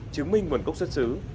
chứng minh nguồn cốc xuất xứ